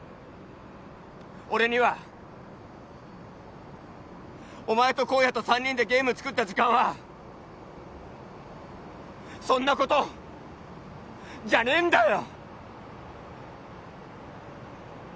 俺にはお前と公哉と三人でゲーム作った時間はそんなことじゃねえんだよ！